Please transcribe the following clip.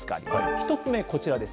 １つ目、こちらです。